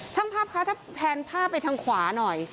ช่างภาพคะถ้าแพนภาพไปทางขวาหน่อย